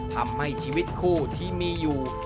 ทำให้ชีวิตคู่ที่มีอยู่